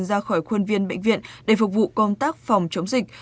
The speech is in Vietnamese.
ra khỏi khuôn viên bệnh viện để phục vụ công tác phòng chống dịch